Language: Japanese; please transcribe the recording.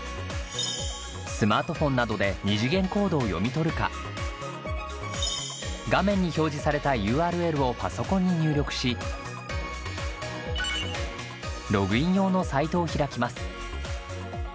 スマートフォンなどで２次元コードを読み取るか画面に表示されたＵＲＬをパソコンに入力しログイン用のサイトを開きます。